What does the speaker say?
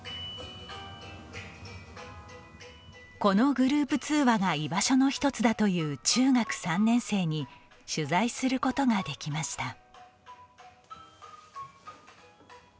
このグループ通話が居場所の一つだという中学３年生に取材することができました。